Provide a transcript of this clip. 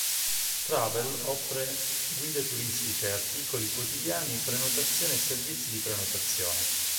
Travel offre guide turistiche, articoli quotidiani, prenotazione e servizi di prenotazione.